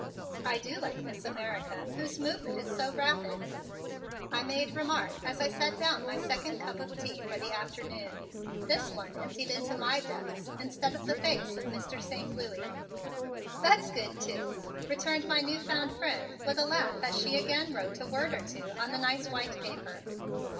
"I do like this America, whose movement is so rapid," I made remark as I set down my second cup of tea for the afternoon, this one emptied into my depths instead of the face of Mr. Saint Louis. "That's good, too," returned my new found friend with a laugh as she again wrote a word or two on the nice white paper.